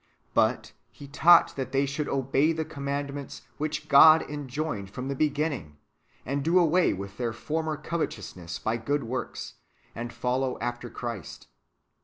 But He taught that they should obey the commandments which God enjoined from the beginning, and do away with their former .covetousness by good works,^ and follow after Christ.